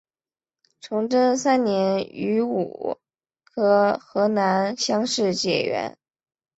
崇祯三年庚午科河南乡试解元。